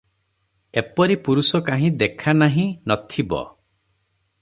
ଏପରି ପୁରୁଷ କାହିଁ ଦେଖା ନାହିଁ, ନ ଥିବ ।